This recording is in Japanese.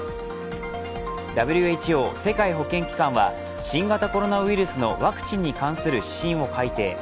ＷＨＯ＝世界保健機関は新型コロナウイルスのワクチンに関する指針を改定。